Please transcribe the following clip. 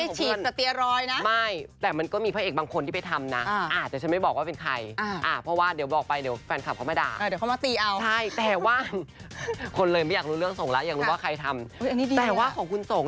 อาจจะมีแบบว่าเขากูกี้บ้าง